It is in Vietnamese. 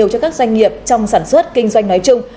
đối với các doanh nghiệp trong sản xuất kinh doanh nói chung